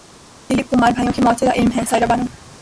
دلیپ کمار بھائیوں کی موت سے لاعلم ہیں سائرہ بانو